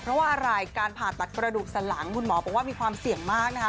เพราะว่าอะไรการผ่าตัดกระดูกสันหลังคุณหมอบอกว่ามีความเสี่ยงมากนะคะ